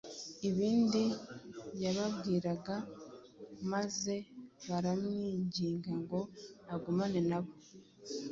ibindi yababwira maze baramwinginga ngo agumane nabo.